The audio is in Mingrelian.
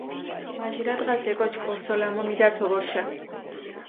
მაჟირა დღას ე კოჩქჷ ორზოლამო მიდართჷ ოგორჷშა.